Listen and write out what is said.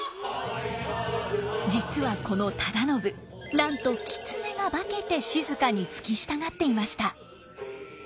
実はこの忠信なんと狐が化けて静に付き従っていました。